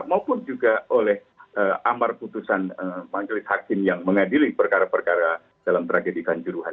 maupun juga oleh amar putusan majelis hakim yang mengadili perkara perkara dalam tragedi kanjuruhan